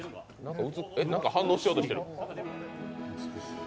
何か反応しようとしてる。